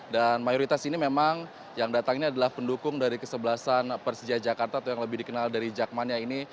dan mayoritas ini memang yang datang ini adalah pendukung dari kesebelasan persija jakarta atau yang lebih dikenal dari jack maniha ini